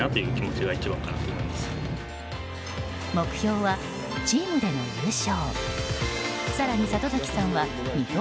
目標はチームでの優勝。